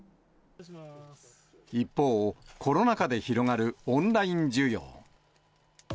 一方、コロナ禍で広がるオンライン需要。